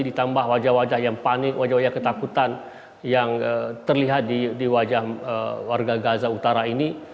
ditambah wajah wajah yang panik wajah wajah ketakutan yang terlihat di wajah warga gaza utara ini